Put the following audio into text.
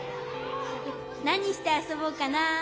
なにしてあそぼうかな。